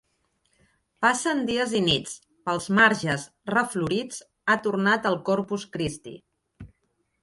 Passen dies i nits... Pels marges reflorits ha tornat el Corpus Christi.